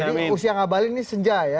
jadi usia ngabalin ini senja ya